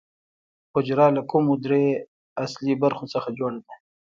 حجره له کومو درېیو اصلي برخو څخه جوړه ده